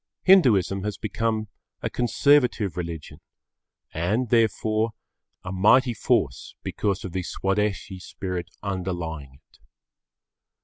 Hinduism has become a conservative religion and, therefore, a mighty force because of the Swadeshi spirit underlying it.